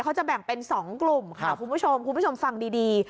เขาจะแบ่งเป็น๒กลุ่มค่ะคุณผู้ชมคุณผู้ชมฟังดี